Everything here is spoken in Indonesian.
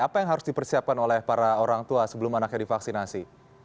apa yang harus dipersiapkan oleh para orang tua sebelum anaknya divaksinasi